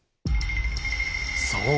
そう。